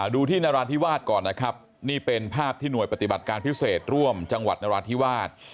ดูที่นราธิวาสก่อนนะครับนี่เป็นภาพที่หน่วยปฏิบัติการพิเศษร่วมจังหวัดนราธิวาส